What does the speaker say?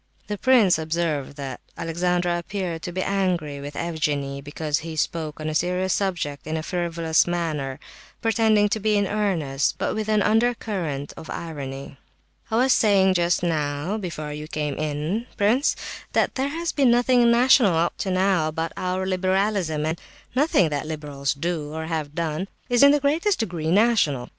The prince observed that Alexandra appeared to be angry with Evgenie, because he spoke on a serious subject in a frivolous manner, pretending to be in earnest, but with an under current of irony. "I was saying just now, before you came in, prince, that there has been nothing national up to now, about our liberalism, and nothing the liberals do, or have done, is in the least degree national.